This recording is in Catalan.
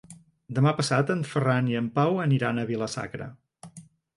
Demà passat en Ferran i en Pau aniran a Vila-sacra.